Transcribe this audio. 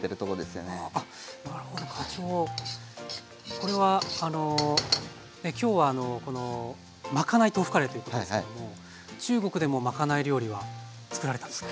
これはあの今日はまかない豆腐カレーということですけども中国でもまかない料理はつくられたんですか？